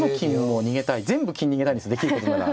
全部金逃げたいですできることなら。